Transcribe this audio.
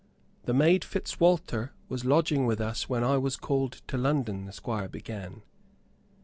"The maid Fitzwalter was lodging with us when I was called to London," the Squire began.